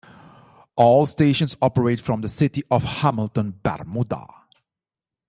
All stations operate from the city of Hamilton, Bermuda.